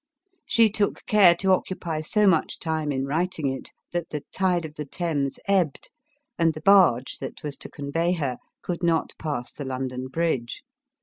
She took care to occupy so much time in writing it that the tide of the Thames ebbed, and the barge, that was to convey her, could not pass the London Bridge.